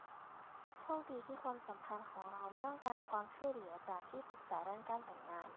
โชคดีที่ความสัมพันธ์ของเราไม่ต้องการความช่วยเหลือจากที่ปรึกษาด้านการแต่งงาน